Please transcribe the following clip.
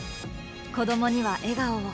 子どもには、笑顔を。